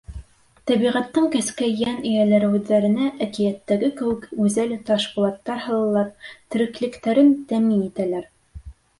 Тәбиғәттең кескәй йән эйәләре үҙҙәренә, әкиәттәге кеүек, гүзәл «таш пулаттар» һалалар, тереклектәрен тәьмин итәләр.